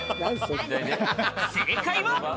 正解は？